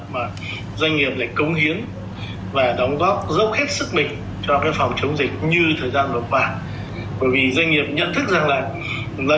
mà doanh nghiệp lại cống hiến và đóng góp rất hết sức mình cho cái phòng chống dịch như thời gian vừa qua bởi vì doanh nghiệp nhận thức rằng là